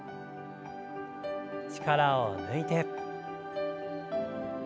力を抜いて。